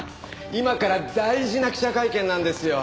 今から大事な記者会見なんですよ。